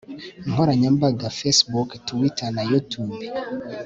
nkoranyambaga facebook twitter na youtube